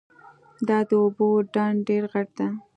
دا د اوبو ډنډ ډېر غټ ده